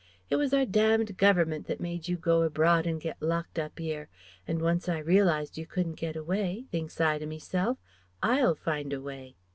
It was our damned Government that made you go abroad and get locked up 'ere. And once I realized you couldn't get away, thinks I to meself, I'll find a way..."